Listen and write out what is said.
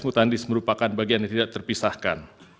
dan yang telah disampaikan pada bagian pendahuluan dan eksepsi secara mutatis